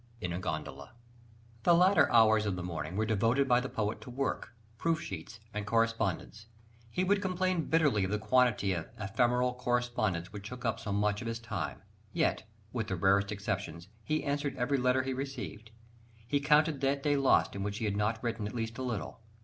(In a Gondola.) The latter hours of the morning were devoted by the poet to work, proof sheets, and correspondence. He would complain bitterly of the quantity of "ephemeral correspondence" which took up so much of his time: yet, with the rarest exceptions, he answered every letter he received. He counted that day lost in which he had not written at least a little.